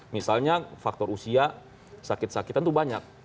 misalnya faktor usia sakit sakitan itu banyak